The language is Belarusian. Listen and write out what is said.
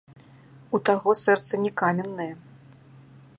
У таго сэрца не каменнае.